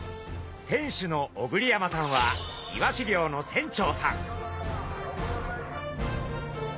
店主の小栗山さんはイワシ漁の船長さん。